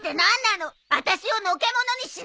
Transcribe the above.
あたしをのけ者にしないでよ！